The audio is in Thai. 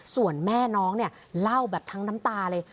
ส่วนแม่น้องเนี่ยเล่าแบบทั้งน้ำตาเลย